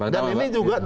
dan ini juga